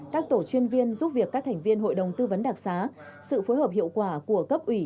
các tổ chuyên viên giúp việc các thành viên hội đồng tư vấn đặc xá sự phối hợp hiệu quả của cấp ủy